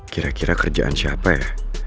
kira kira kerjaan siapa ya